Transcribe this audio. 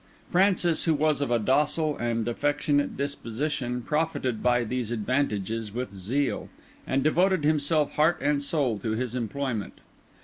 Francis, who was of a docile and affectionate disposition, profited by these advantages with zeal, and devoted himself heart and soul to his employment.